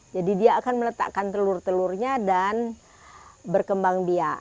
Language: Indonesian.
jadi dia akan meletakkan telur telurnya dan berkembang biak